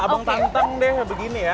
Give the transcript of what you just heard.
abang tanteng deh begini ya